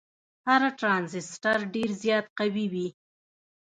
هر ټرانزیسټر ډیر زیات قوي دی.